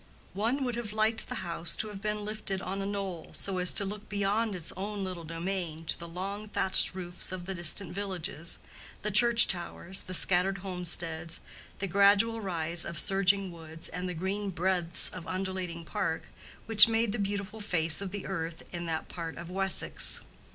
One would have liked the house to have been lifted on a knoll, so as to look beyond its own little domain to the long thatched roofs of the distant villages, the church towers, the scattered homesteads, the gradual rise of surging woods, and the green breadths of undulating park which made the beautiful face of the earth in that part of Wessex.